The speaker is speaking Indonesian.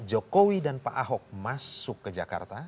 jokowi dan pak ahok masuk ke jakarta